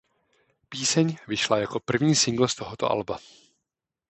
Píseň vyšla jako první singl z tohoto alba.